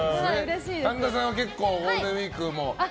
神田さんは結構ゴールデンウィークも。